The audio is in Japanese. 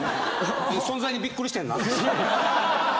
存在にびっくりしてんな。